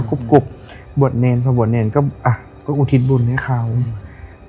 กุ๊กกุ๊กบวชเนรพอบวชเนรก็อ่ะก็อุทิศบุญให้เขาอืม